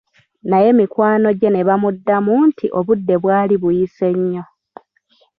Naye mikwano gye ne bamuddamu nti obudde bwali buyise nnyo.